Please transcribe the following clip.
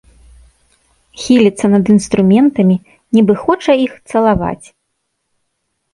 Хіліцца над інструментамі, нібы хоча іх цалаваць.